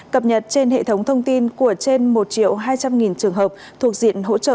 cập nhật trên hệ thống thông tin của trên một hai trăm linh trường hợp thuộc diện hỗ trợ